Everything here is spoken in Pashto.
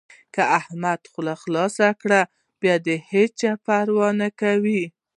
که احمد خوله خلاصه کړي؛ بيا د هيچا پروا نه کوي.